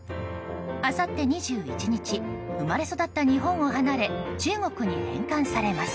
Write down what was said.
あさって２１日生まれ育った日本を離れ中国に返還されます。